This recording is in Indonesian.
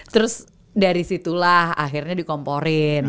terus dari situlah akhirnya dikomporin